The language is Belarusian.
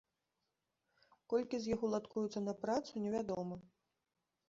Колькі з іх уладкуюцца на працу, невядома.